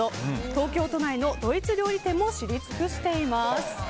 東京都内のドイツ料理店も知り尽くしています。